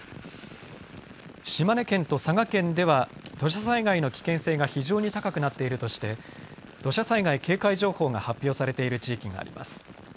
島根県と佐賀県では土砂災害の危険性が非常に高くなっているとして土砂災害警戒情報が発表されている地域があります。